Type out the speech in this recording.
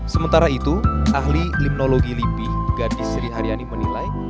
sementara itu ahli limnologi lipih gadis sri haryani menilai